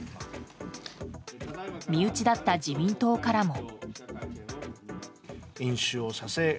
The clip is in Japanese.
身内だった自民党からも。